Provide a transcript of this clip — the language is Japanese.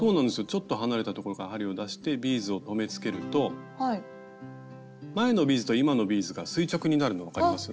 ちょっと離れたところから針を出してビーズを留めつけると前のビーズと今のビーズが垂直になるの分かります？